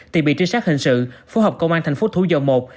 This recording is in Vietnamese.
thì bị trinh sát hình sự phố học công an thành phố thủ dầu một